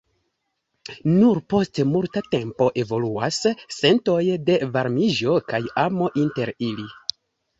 Nur post multa tempo evoluas sentoj de varmiĝo kaj amo inter ili.